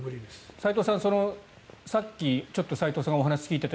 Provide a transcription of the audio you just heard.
齋藤さん、さっき齋藤さんがお話を聞いていた